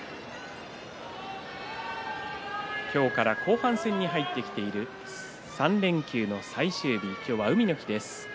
今日から後半戦に入ってきている３連休の最終日今日は海の日です。